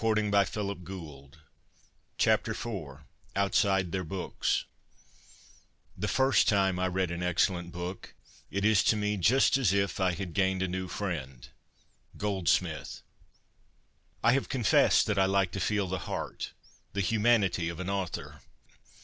IV 1 OUTSIDE THEIR BOOKS ' IV 1 OUTSIDE THEIR BOOKS ' The first time I read an excellent book, it is to me just as if I had gained a new friend. — Goldsmith. I have confessed that I like to feel the heart, the humanity, of an author.